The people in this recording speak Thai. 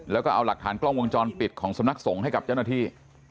แล้วก็เอาหลักฐานกล้องวงจรปิดของสำนักสงฆ์ให้กับเจ้าหน้าที่